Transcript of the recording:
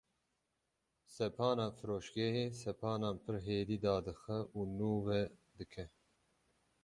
Sepana firoşgehê sepanan pir hêdî dadixe û nûve dike.